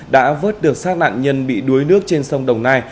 đã vớt được sát nạn nhân bị đuối nước trên sông đồng nai